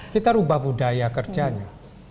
kita rubah budaya kerjanya